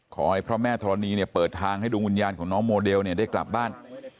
ขอให้พระแม่ธรณีเนี่ยเปิดทางให้ดวงวิญญาณของน้องโมเดลได้กลับบ้าน